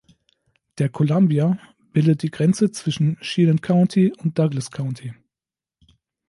Der Columbia bildet die Grenze zwischen Chelan County und Douglas County.